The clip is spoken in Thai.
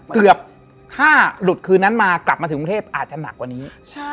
เกือบถ้าหลุดคืนนั้นมากลับมาถึงกรุงเทพอาจจะหนักกว่านี้